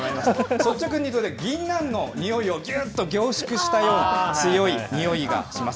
率直に言うと、ぎんなんのにおいをぎゅっと凝縮したような強いにおいがします。